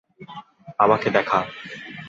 আমাকে দেখা।